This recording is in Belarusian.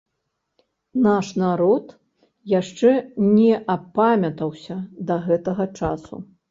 Наш народ яшчэ не апамятаўся да гэтага часу.